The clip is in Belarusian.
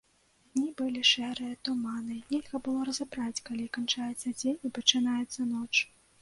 Дні былі шэрыя, туманныя, нельга было разабраць, калі канчаецца дзень і пачынаецца ноч.